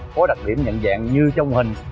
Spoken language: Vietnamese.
có đặc điểm nhận dạng như trong hình